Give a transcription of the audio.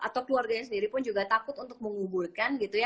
atau keluarganya sendiri pun juga takut untuk menguburkan gitu ya